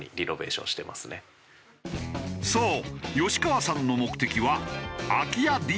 そう吉川さんの目的は。